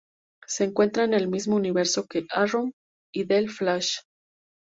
Se encuentra en el mismo universo que "Arrow" y "The Flash".